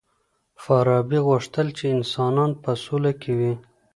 فارابي غوښتل چی انسانان په سوله کي وي.